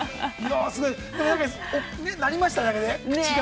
でもなりましたね、口が。